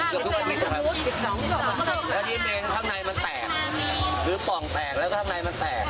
เยอะเยอะก็เลยทำแบบทำพรสไว้ทำเข้นไปเฉิน